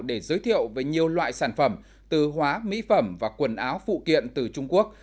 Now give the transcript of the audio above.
để giới thiệu về nhiều loại sản phẩm từ hóa mỹ phẩm và quần áo phụ kiện từ trung quốc